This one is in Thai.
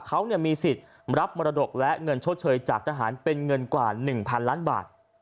เขามีสิทธิ์รับมรดกและเงินชดเชยจากทหารเป็นเงินกว่า๑๐๐ล้านบาท